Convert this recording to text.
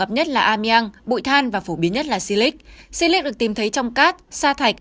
gặp nhất là amean bụi than và phổ biến nhất là si lịch si lịch được tìm thấy trong cát sa thạch